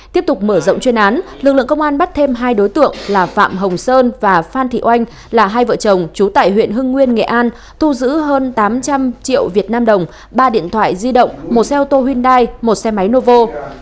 tiếp tục mở rộng chuyên án lực lượng công an bắt thêm hai đối tượng là phạm hồng sơn và phan thị oanh là hai vợ chồng chú tại huyện hưng nguyên nghệ an thu giữ hơn tám trăm linh triệu việt nam đồng ba điện thoại di động một xe ô tô hyundai một xe máy novo